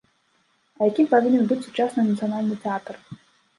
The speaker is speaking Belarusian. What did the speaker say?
А якім павінен быць сучасны нацыянальны тэатр?